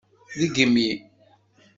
Degmi!